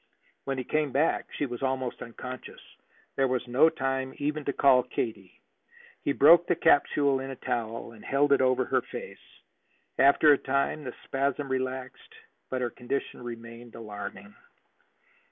When he came back she was almost unconscious. There was no time even to call Katie. He broke the capsule in a towel, and held it over her face. After a time the spasm relaxed, but her condition remained alarming.